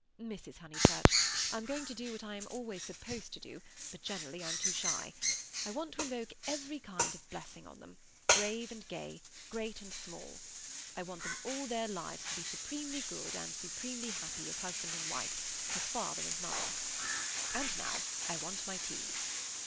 "Mrs. Honeychurch, I'm going to do what I am always supposed to do, but generally I'm too shy. I want to invoke every kind of blessing on them, grave and gay, great and small. I want them all their lives to be supremely good and supremely happy as husband and wife, as father and mother. And now I want my tea."